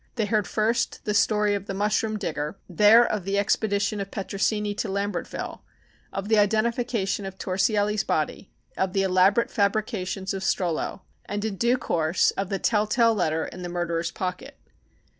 They heard first the story of the mushroom digger, there of the expedition of Petrosini to Lambertville, of the identification of Torsielli's body, of the elaborate fabrications of Strollo, and in due course, of the tell tale letter in the murderer's pocket.